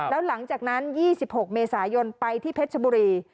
แล้วหลังจากนั้น๒๖เมษายนไปที่เพชรชบุรี